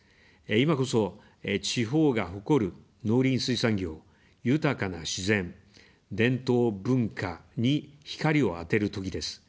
今こそ、地方が誇る農林水産業、豊かな自然、伝統・文化に光を当てるときです。